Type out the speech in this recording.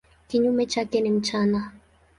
Kinyume chake ni mchana.